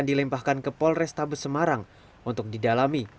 dan dilempahkan ke polrestabes semarang untuk didalami